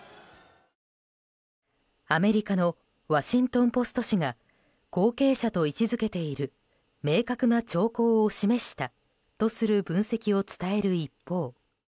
アメリカのワシントン・ポスト紙が後継者と位置付けている明確な兆候を示したとする分析を伝える一方。